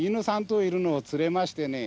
３頭いるのを連れましてね